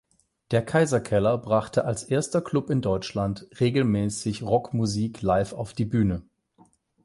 Der Kaiserkeller brachte als erster Club in Deutschland regelmäßig Rockmusik live auf die Bühne.